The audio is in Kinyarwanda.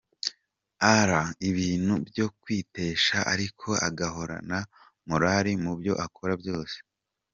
Aella ibintu byo kwitetesha ariko agahorana morali mu byo akora byose.